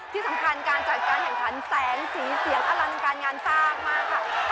ที่สำคัญการจัดการแข่งขันแสงสีเสียงอลังการงานสร้างมากค่ะ